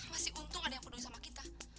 masih untung ada yang peduli sama kita